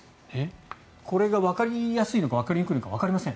これがわかりやすいのかわかりにくいのかわかりません。